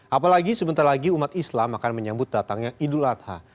apalagi sebentar lagi umat islam akan menyambut datangnya idul adha